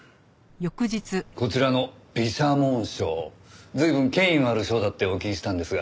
こちらの美写紋賞随分権威のある賞だってお聞きしたんですが。